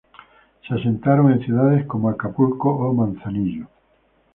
Se asentaron en ciudades como Acapulco o Manzanillo.